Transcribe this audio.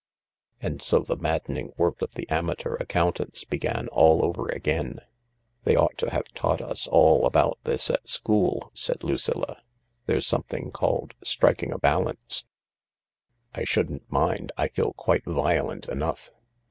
" And so the maddening work of the amateur accountants began all over again, " They ought to have taught us all about this at school," said Lucilla ; there's something called ' striking a balance/ "" I shouldn't mind — I feel quite violent enough.